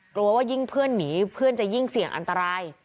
กลัวว่ายิ่งเพื่อนหนีเพื่อนจะยิ่งเสี่ยงอันตราย